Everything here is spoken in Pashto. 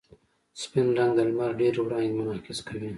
سپین رنګ د لمر ډېرې وړانګې منعکس کوي.